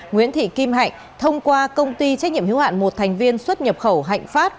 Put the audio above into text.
nguyễn thị kim hạnh thông qua công ty trách nhiệm hiếu hạn một thành viên xuất nhập khẩu hạnh phát